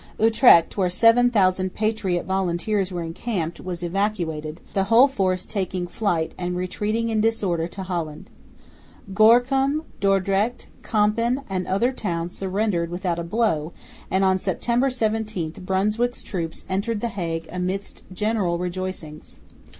Utrecht, where 7000 "patriot" volunteers were encamped, was evacuated, the whole force taking flight and retreating in disorder to Holland. Gorkum, Dordrecht, Kampen and other towns surrendered without a blow; and on September 17 Brunswick's troops entered the Hague amidst general rejoicings.